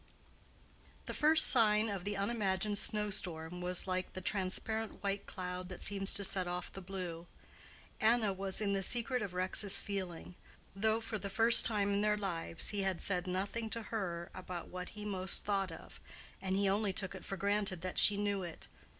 The first sign of the unimagined snow storm was like the transparent white cloud that seems to set off the blue. Anna was in the secret of Rex's feeling; though for the first time in their lives he had said nothing to her about what he most thought of, and he only took it for granted that she knew it.